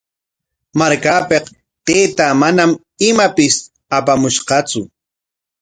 Markapik taytaa manam imatapis apamushqatsu.